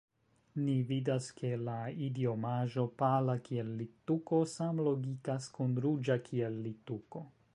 Ni vidas, ke la idiomaĵo pala kiel littuko samlogikas kun ruĝa kiel littuko.